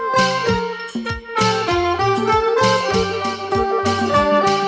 เธอไม่รู้ว่าเธอไม่รู้